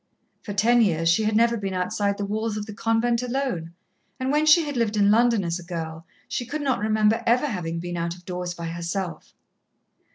For ten years she had never been outside the walls of the convent alone, and when she had lived in London as a girl, she could not remember ever having been out of doors by herself.